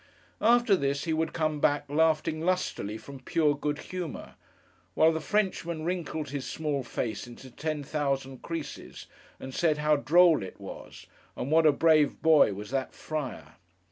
After this, he would come back, laughing lustily from pure good humour: while the Frenchman wrinkled his small face into ten thousand creases, and said how droll it was, and what a brave boy was that Friar!